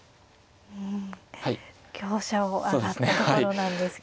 香車を上がったところなんですけれども。